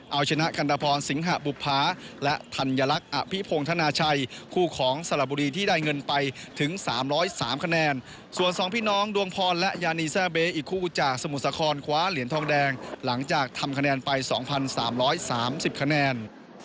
เอาชนะกันตะพรสิงหะบุภาและธัญลักษณ์อภิพงธนาชัยคู่ของสระบุรีที่ได้เงินไปถึง๓๐๓คะแนนส่วน๒พี่น้องดวงพรและยานีแซ่เบอีกคู่จากสมุทรสาครคว้าเหรียญทองแดงหลังจากทำคะแนนไป๒๓๓๐คะแนน